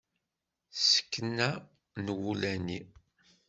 Ssekna n wulani.